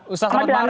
ustaz selamat pagi